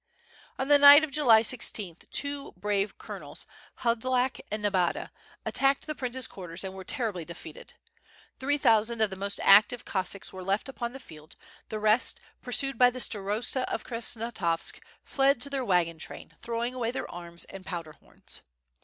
On the night of July 16th, two brave colonels, Hladk and Nebada, attacked the prince's quarters and were terribly de feated. Three thousand of the most active Cossacks were left upon the field, the rest, pursued by the Starosta of Krasnos tavsk, fled to their wagon train, throwing away their arms and powder horns.